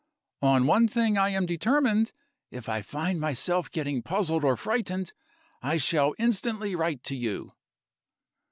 On one thing I am determined. If I find myself getting puzzled or frightened, I shall instantly write to you."